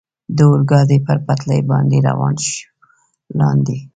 د اورګاډي پر پټلۍ باندې روان شو، لاندې.